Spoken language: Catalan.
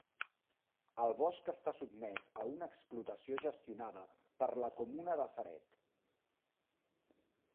El bosc està sotmès a una explotació gestionada per la comuna de Ceret.